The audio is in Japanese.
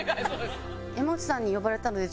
山内さんに呼ばれたので。